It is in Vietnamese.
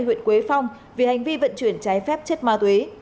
huyện quế phong vì hành vi vận chuyển trái phép chất ma túy